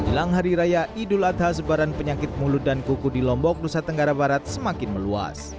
jelang hari raya idul adha sebaran penyakit mulut dan kuku di lombok nusa tenggara barat semakin meluas